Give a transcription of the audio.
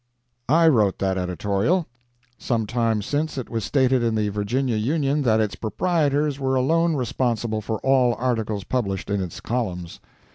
I wrote that editorial. Some time since it was stated in the Virginia Union that its proprietors were alone responsible for all articles published in its columns.